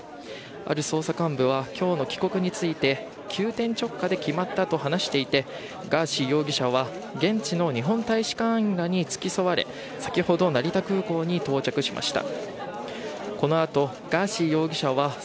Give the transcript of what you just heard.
ある捜査幹部は今日の帰国について急転直下で決まったと話していてガーシー容疑者は現地の日本大使館員らに付き添われ先ほど、成田空港に到着しました。